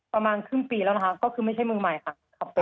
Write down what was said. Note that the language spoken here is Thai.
ประมาณครึ่งปีแล้วนะคะก็คือไม่ใช่เมืองใหม่ค่ะ